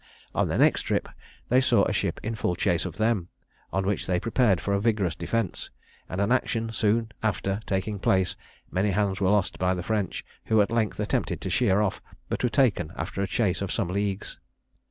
On their next trip, they saw a ship in full chase of them, on which they prepared for a vigorous defence; and an action soon after taking place, many hands were lost by the French, who at length attempted to sheer off, but were taken after a chase of some leagues.